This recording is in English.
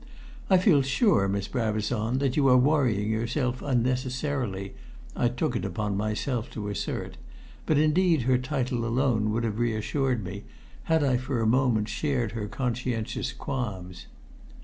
"I feel sure, Miss Brabazon, that you are worrying yourself unnecessarily," I took it upon myself to assert; but indeed her title alone would have reassured me, had I for a moment shared her conscientious qualms.